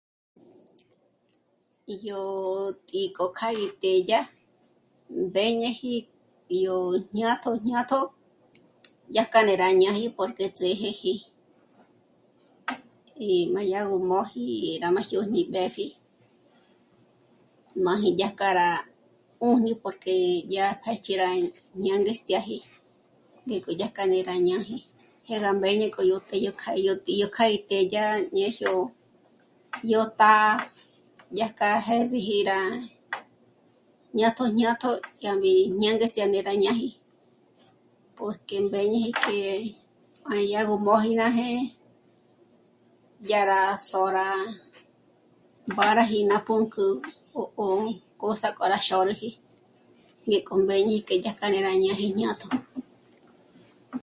Yó tǐ'i k'o kjá gí tédya mbéñeji yó jñátjo jñátjo dyàjka né'e rá ñáji porque ts'és'eji y má dya gú móji e jyârá má jñôni mbépji máji dyájka rá 'újni porque dyá pë̌jch'i rí ñá'a ñângestyaji ngék'o dyajkaji né'e rá ñaji jé gá mbéñe k'o yó que yó kja í t'édya ñéjyó yó tá'a dyájka jês'eji rá jñátjo jñátjo ñámbi ñângestya ngé rá ñáji porque mbéñeji que má dyà gó mbóji ná jé'e dyà rá só'ra mbáraji ná pǔnk'ü o k'ôs'a k'o rá xôrüji ngéko mbéñeji que dyájka rá ñáji jñátjo